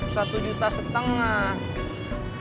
satu juta setengah